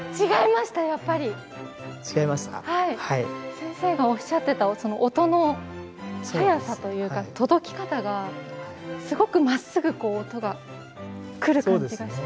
先生がおっしゃってた音の速さというか届き方がすごくまっすぐ音が来る感じがして。